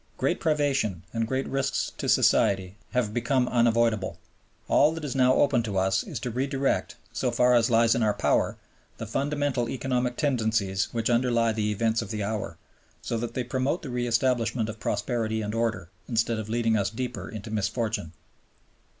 Great privation and great risks to society have become unavoidable. All that is now open to us is to redirect, so far as lies in our power, the fundamental economic tendencies which underlie the events of the hour, so that they promote the re establishment of prosperity and order, instead of leading us deeper into misfortune.